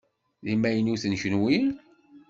D imaynuten kunwi?